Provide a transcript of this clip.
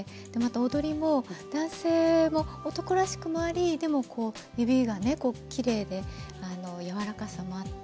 踊りも男性は男らしくもありでも、指がきれいでやわらかさもあって。